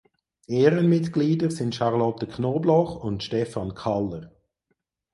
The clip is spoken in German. Ehrenmitglieder sind Charlotte Knobloch und Stefan Kaller.